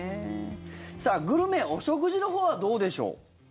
さあ、グルメ、お食事のほうはどうでしょう。